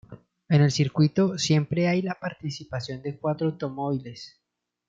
En el circuito, siempre hay la participación de cuatro automóviles.